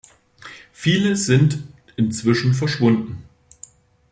Viele sind inzwischen verschwunden.